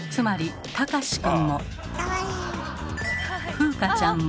風花ちゃんも。